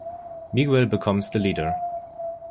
Miguel becomes the leader.